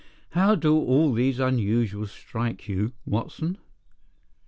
How do all these unusuals strike you, Watson?"